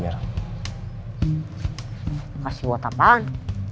terima kasih buat apaan